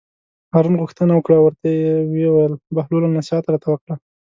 هارون غوښتنه وکړه او ورته ویې ویل: بهلوله نصیحت راته وکړه.